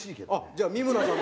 じゃあ三村さん